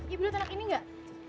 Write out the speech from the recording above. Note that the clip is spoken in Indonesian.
ibu lihat anak ini nggak